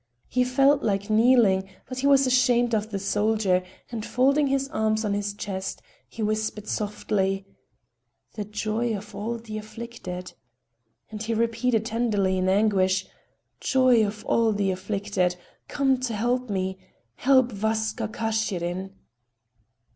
He felt like kneeling, but he was ashamed of the soldier and, folding his arms on his chest, he whispered softly: "The joy of all the afflicted!" And he repeated tenderly, in anguish: "Joy of all the afflicted, come to me, help Vaska Kashirin."